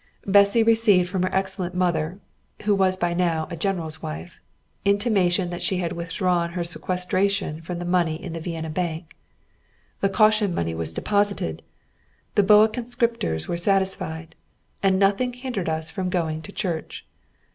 Bessy received from her excellent mother (who was now a general's wife) intimation that she had withdrawn her sequestration from the money in the Vienna bank; the caution money was deposited, the boa conscriptors were satisfied, and nothing hindered us from going to church.